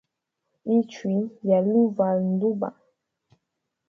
Ichwi yali uvala nduba.